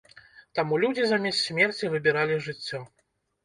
Таму людзі замест смерці выбіралі жыццё.